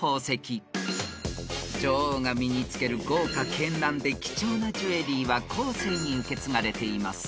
［女王が身につける豪華絢爛で貴重なジュエリーは後世に受け継がれています］